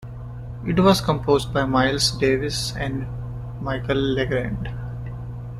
It was composed by Miles Davis and Michel Legrand.